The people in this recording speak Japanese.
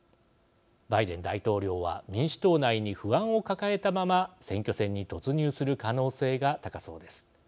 バイデン大統領は民主党内に不安を抱えたまま選挙戦に突入する可能性が高そうです。